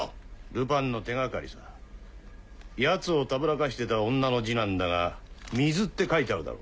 ルパンの手掛かりさ奴をたぶらかしてた女の字なんだが「水」って書いてあるだろ。